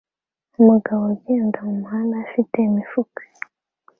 Umugabo ugenda mumuhanda afite imifuka